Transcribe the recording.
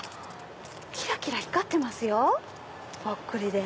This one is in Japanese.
キラキラ光ってますよぽっくりで。